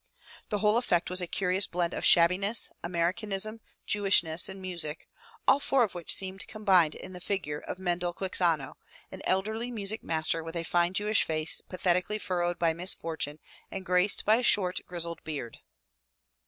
The whole effect was a curious blend of shabbiness, Americanism, Jewishness and music, all four of which seemed combined in the figure of Mendel Quixano, an elderly music master with a fine Jewish face pathetically furrowed by misfortune and graced by a short grizzled beard.